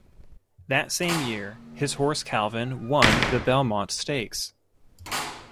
That same year, his horse Calvin won the Belmont Stakes.